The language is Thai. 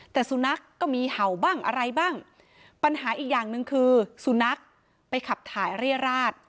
แต่สุนัขก็มีเห่าบ้างอะไรบ้างปัญหาอีกอย่างหนึ่งคือสุนัขไปขับถ่ายเรียราช